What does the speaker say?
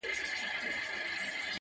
کال په کال یې زیاتېدل مځکي باغونه٫